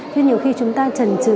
thứ nhiều khi chúng ta trần trừ